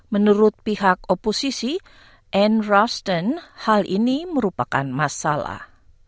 menurut pihak oposisi anne raston hal ini merupakan masalah